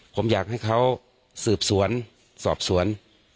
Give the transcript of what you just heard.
ผมอยากให้เขาสืบสวนสอบสวน